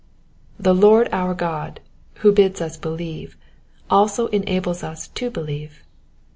The Lord our God, who bids us believe, also enables us to believe.